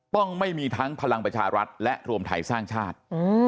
ต้องไม่มีทั้งพลังประชารัฐและรวมไทยสร้างชาติ